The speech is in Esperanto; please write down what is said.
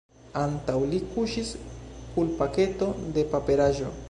Antaŭ li kuŝis rulpaketo de paperaĵo.